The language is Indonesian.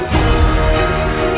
masih sama ya